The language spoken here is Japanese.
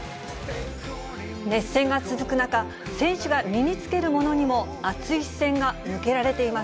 熱戦が続く中、選手が身につけるものにも熱い視線が向けられています。